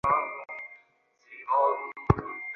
তখন মেধাহীন অকর্মা মানুষটিও পারে অনেক কঠিন কাজ করে ফেলতে।